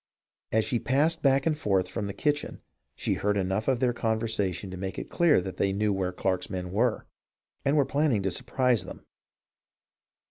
As she passed back and forth from the kitchen she heard enough of their con versation to make it clear that they knew where Clarke's men were, and were planning to surprise them.